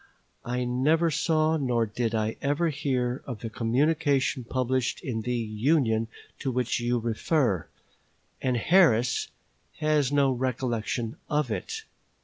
I never saw nor did I ever hear of the communication published in the "Union" to which you refer, and Harris has no recollection of it.